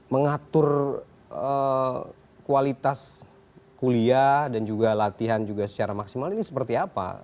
mengatur kualitas kuliah dan juga latihan juga secara maksimal ini seperti apa